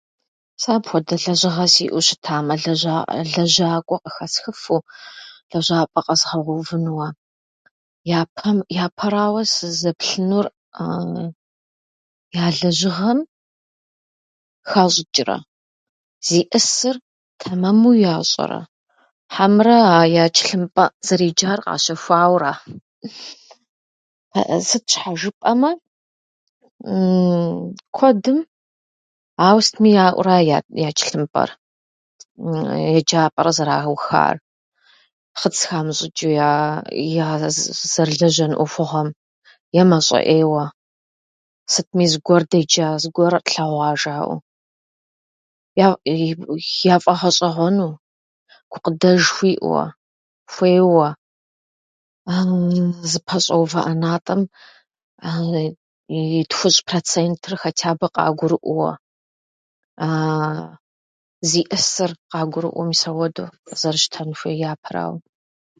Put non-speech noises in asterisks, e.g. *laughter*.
Сэ апхуэдэ лэжьыгъэ сиӏэу щытамэ, лэжьа- лэжьакӏуэ къыхэсхыфу, лэжьапӏэ къэзгъэувынууэ, япэм- япэрауэ сызэплъынур *hesitation* я лэжьыгъэм хащӏычӏрэ, зиӏысыр тэмэму ящӏэрэ, хьэмэрэ а я чӏылъымпӏэ зэреджар къащэхуауэ ара? *laughs* Сыт щхьа жыпӏэмэ, *hesitation* куэдым ауэ сытми яӏэу ара я чӏылъымпӏэр, еджапӏэ къызэраухар, хъыц хамыщӏычӏу я- я зэрылэжьэну ӏуэхугъуэм е мащӏэ ӏейуэ. Сытми зыгуэр деджа, зыгуэр тлъэгъуа жаӏэу. я- Яфӏэгъэщӏэгъуэну, гукъыдэж хуиӏэуэ, хуейуэ, *hesitation* а зыпэщӏэува ӏэнатӏэм *hesitation* и тхущӏ процентыр хотябы къагурыӏуэуэ, а зиӏысыр къагурыӏуэу мис ауэдэу зэрыщытын хуейр япэрауэ.